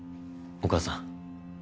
お母さん。